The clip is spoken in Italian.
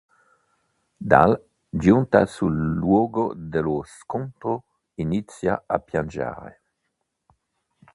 Dahl, giunta sul luogo dello scontro inizia a piangere.